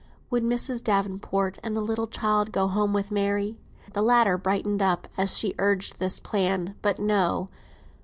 Would Mrs. Davenport and the little child go home with Mary? The latter brightened up as she urged this plan; but no!